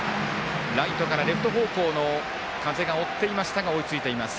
ライトからレフト方向の風が追っていましたが追いついています。